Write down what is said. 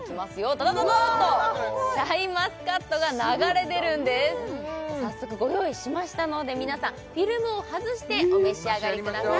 ドドドドーンとシャインマスカットが流れ出るんです早速ご用意しましたので皆さんフィルムを外してお召し上がりください